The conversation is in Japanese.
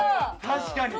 確かに！